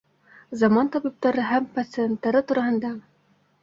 Заман табиптары һәм пациенттары тураһында